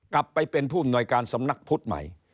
กลับไปเป็นผู้บริหน่อยการสำนักพุทธใหม่